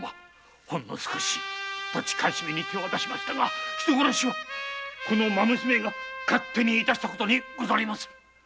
ほんの少し土地買い占めに手を出しましたが人殺しはこの蝮めが勝手に致したことでございます。